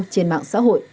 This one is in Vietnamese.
trên mạng xã hội